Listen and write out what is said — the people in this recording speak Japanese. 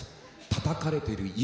たたかれてる犬。